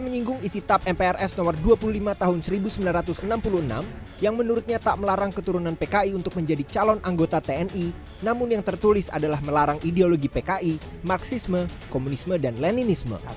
menyinggung isi tap mprs nomor dua puluh lima tahun seribu sembilan ratus enam puluh enam yang menurutnya tak melarang keturunan pki untuk menjadi calon anggota tni namun yang tertulis adalah melarang ideologi pki marxisme komunisme dan leninisme